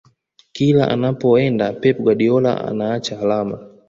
kila anapoenda pep guardiola anaacha alama